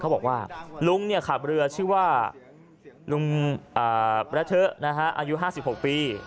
บอกว่าลุงขับเรือชื่อว่าลุงระเทอะอายุ๕๖ปี